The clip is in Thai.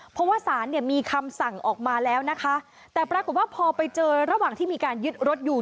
เพราะว่าศาลเนี่ยมีคำสั่งออกมาแล้วนะคะแต่ปรากฏว่าพอไปเจอระหว่างที่มีการยึดรถอยู่